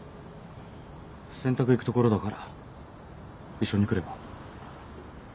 洗濯行くところだから一緒に来れば？